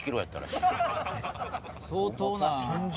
相当な。